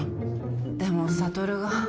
でも悟が。